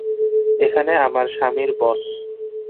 এখানে আমার স্বামী বস।